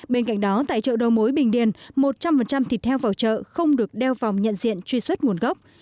bên cạnh đó tại chợ đầu mối bình điền một trăm linh thịt heo vào chợ không được đeo vòng nhận diện truy xuất nguồn gốc